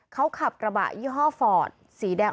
เขาขับกระบะยี่ห้อฟอร์ดสีแดง